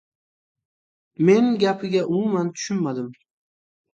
Men gapiga umuman tushunmadim.